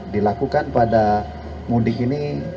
dilakukan pada mudik ini